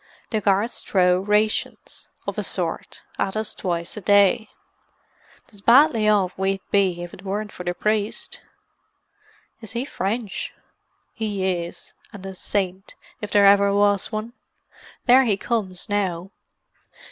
The guards throw rations—of a sort—at us twice a day. 'Tis badly off we'd be, if it weren't for the priest." "Is he French?" "He is—and a saint, if there ever was one. There he comes now."